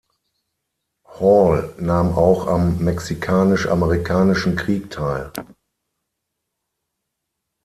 Hall nahm auch am Mexikanisch-Amerikanischen Krieg teil.